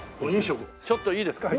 ちょっといいですか？